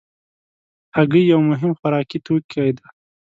هګۍ یو مهم خوراکي توکی دی.